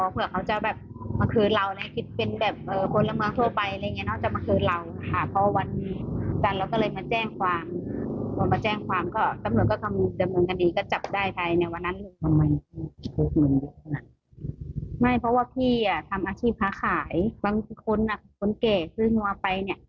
เพราะว่าพี่อ่ะทำอาชีพค้าขายบางคนอ่ะคนแก่ซื้อนัวไปเนี่ย